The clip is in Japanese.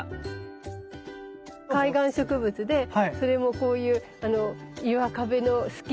海岸植物でそれもこういう岩壁の隙間なんかに。